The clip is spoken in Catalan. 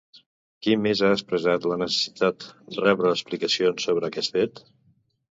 Qui més ha expressat la necessitat rebre explicacions sobre aquest fet?